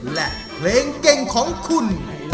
และเพลงเก่งของคุณ